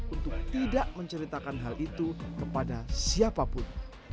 untuk tidak menceritakan hal itu kepada siapapun